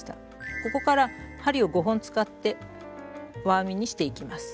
ここから針を５本使って輪編みにしていきます。